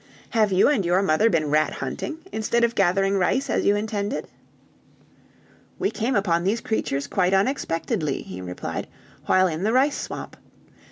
"Have you and your mother been rat hunting instead of gathering rice as you intended?" "We came upon these creatures quite unexpectedly," he replied, "while in the rice swamp.